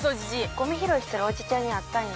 ゴミ拾いしてるおじちゃんに会ったんや。